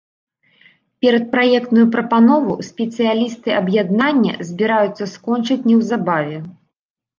Перадпраектную прапанову спецыялісты аб'яднання збіраюцца скончыць неўзабаве.